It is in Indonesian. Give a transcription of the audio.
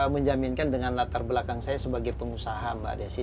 menjaminkan dengan latar belakang saya sebagai pengusaha mbak desi